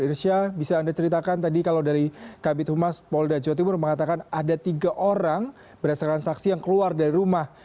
irsya bisa anda ceritakan tadi kalau dari kabit humas polda jawa timur mengatakan ada tiga orang berdasarkan saksi yang keluar dari rumah